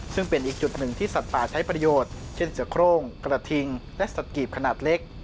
ซึ่งเป็นอีกจุดหนึ่งที่สัตว์ป่าใช้ประโยชน์เช่นเสือโครงกระทิงและสัตว์กีบขนาดเล็ก